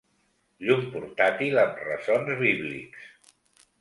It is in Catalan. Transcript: Llum portàtil amb ressons bíblics.